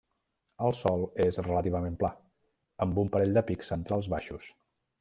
El sòl és relativament pla, amb un parell de pics centrals baixos.